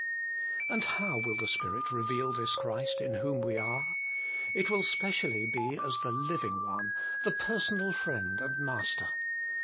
And how will the Spirit reveal this Christ in whom we are ? It will specially be as ihe Living One, the Personal Friend and Master.